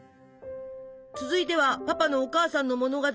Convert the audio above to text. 続いてはパパのお母さんの物語。